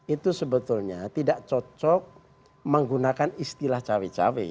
itu sebetulnya tidak cocok menggunakan istilah cawe cawe